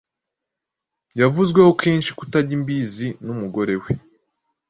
Yavuzweho kenshi kutajya imbizi n’umugore we,